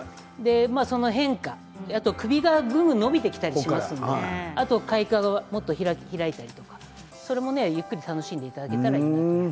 その変化、そして首がぐんぐん伸びてきたりするのであと開花、もっと花が開いたりとかそれもゆっくり楽しんでいただければいいと思います。